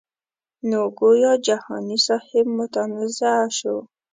نو ګویا جهاني صاحب متنازعه شو.